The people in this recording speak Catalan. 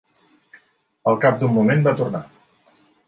Al cap d'un moment va tornar.